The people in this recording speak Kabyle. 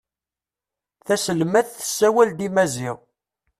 Taselmadt tessawel-ad i Maziɣ.